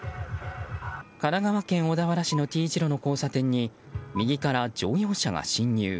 神奈川県小田原市のＴ字路の交差点に右から乗用車が進入。